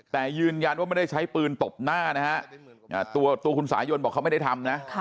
แต่ยืนยันว่าไม่ได้ใช้ปืนตบหน้านะฮะตัวคุณสายนบอกเขาไม่ได้ทำนะ